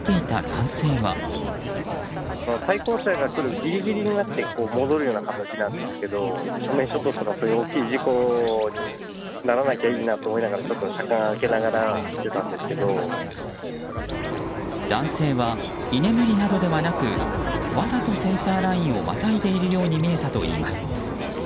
男性は、居眠りなどではなくわざとセンターラインをまたいでいるように見えたといいます。